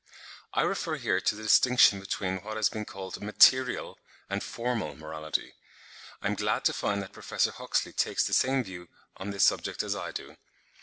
I refer here to the distinction between what has been called MATERIAL and FORMAL morality. I am glad to find that Professor Huxley ('Critiques and Addresses,' 1873, p. 287) takes the same view on this subject as I do.